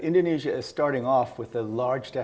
indonesia mulai dengan defisit yang besar